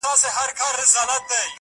• ستونی د شپېلۍ به نغمه نه لري -